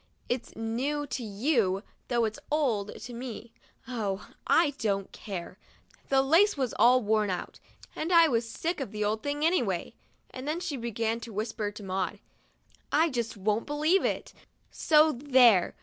It's new to you, though it's old to me. Oh, I don't care; the lace was all worn out, and I was sick of the old thing anyway ;" and then she began to whisper to Maud. I won't believe — I just won't believe it ; so there